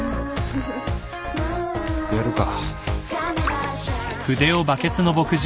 やるか。